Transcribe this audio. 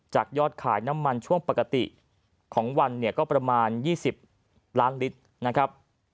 ยอดขายน้ำมันช่วงปกติของวันเนี่ยก็ประมาณ๒๐ล้านลิตรนะครับ